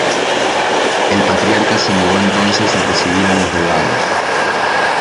El patriarca se negó entonces a recibir a los legados.